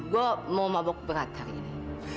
gue mau mabok banget hari ini